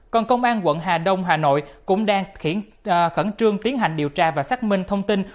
còn công an quận hà đông hà nội cũng đang khẩn trương tiến hành điều tra và xác minh thông tin